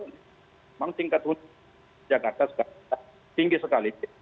memang tingkat rumah sakit jakarta tinggi sekali